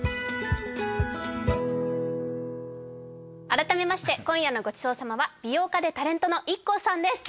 改めまして今夜のごちそう様は美容家でタレントのＩＫＫＯさんです